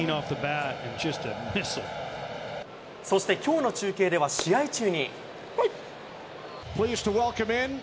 そして、きょうの中継では試合中に。